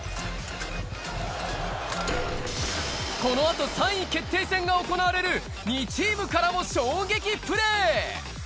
このあと、３位決定戦が行われる２チームからも衝撃プレー。